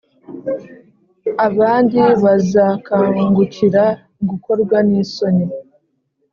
abandi bazakangukira gukorwa n’isoni